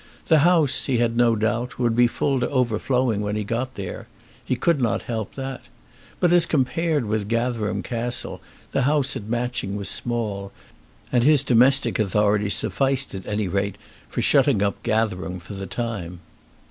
The house, he had no doubt, would be full to overflowing when he got there. He could not help that. But as compared with Gatherum Castle the house at Matching was small, and his domestic authority sufficed at any rate for shutting up Gatherum for the time.